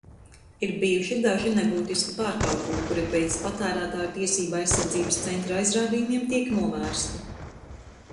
Ir bijuši daži nebūtiski pārkāpumi, kuri pēc Patērētāju tiesību aizsardzības centra aizrādījumiem tiek novērsti.